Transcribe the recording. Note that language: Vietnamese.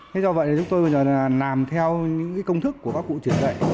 thế do vậy chúng tôi bây giờ là làm theo những cái công thức của các cụ truyền dạy